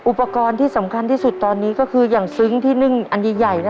อุปกรณ์ที่สำคัญที่สุดตอนนี้ก็คืออย่างซึ้งที่นึ่งอันใหญ่นะ